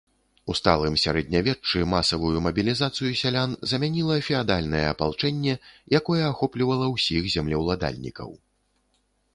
У сталым сярэднявеччы масавую мабілізацыю сялян замяніла феадальнае апалчэнне, якое ахоплівала ўсіх землеўладальнікаў.